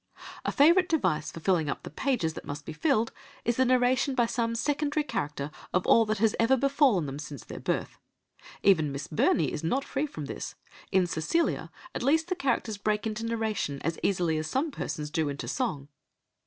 A favourite device for filling up the pages that must be filled, is the narration by some secondary character of all that has ever befallen them since their birth. Even Miss Burney is not free from this; in Cecilia at least the characters break into narration as easily as some persons do into song.